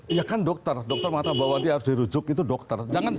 iya kan dokter dokter mengatakan bahwa dia harus dirujuk itu dokter